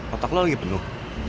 otak lo lagi penuh